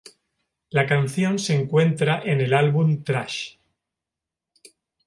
La canción se encuentra en el álbum "Trash".